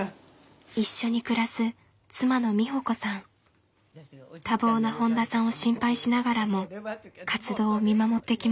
一緒に暮らす多忙な本田さんを心配しながらも活動を見守ってきました。